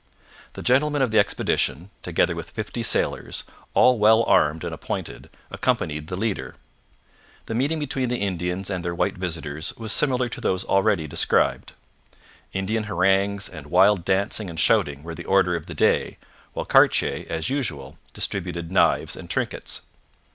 The gentlemen of the expedition, together with fifty sailors, all well armed and appointed, accompanied the leader. The meeting between the Indians and their white visitors was similar to those already described. Indian harangues and wild dancing and shouting were the order of the day, while Cartier, as usual, distributed knives and trinkets.